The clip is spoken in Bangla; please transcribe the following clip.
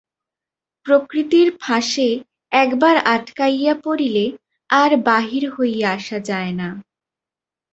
প্রকৃতির ফাঁসে একবার আটকাইয়া পড়িলে আর বাহির হইয়া আসা যায় না।